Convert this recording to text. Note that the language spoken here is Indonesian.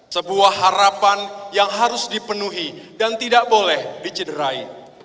sebuah harapan yang harus dipenuhi dan tidak boleh dicederai